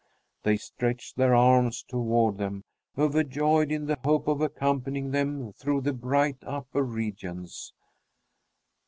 They stretch their arms toward them, overjoyed in the hope of accompanying them through the bright upper regions.